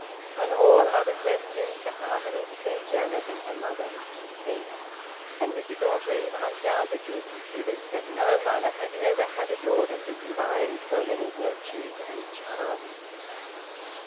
On all other questions the harmony between Janet and her mother was complete, and Mrs Orgreave undoubtedly considered that no mother had ever had a daughter who combined so many virtues and charms.